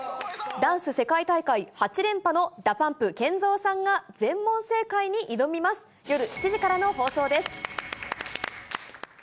ダンス世界大会８連覇のＤＡＰＵＭＰ・ＫＥＮＺＯさんが全問正解に挑みます。